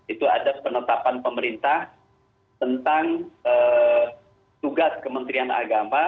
itu ada penetapan pemerintah tentang tugas kementerian agama